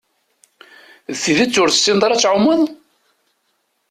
D tidett ur tessineḍ ara ad tɛumeḍ?